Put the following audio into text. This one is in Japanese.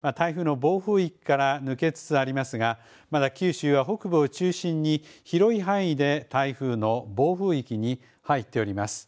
現在、鹿児島県、それから宮崎県の一部が台風の暴風域から抜けつつありますが、まだ九州は北部を中心に広い範囲で台風の暴風域に入っております。